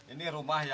ini rumah yang